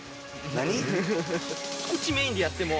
何！？